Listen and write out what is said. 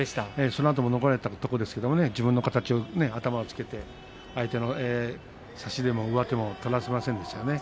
そのあとも残られましたが自分の形を頭をつけて相手の差し手も上手も取らせませんでしたね。